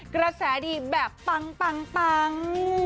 กระแสดีแบบปัง